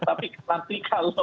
tapi nanti kalau kalau kalau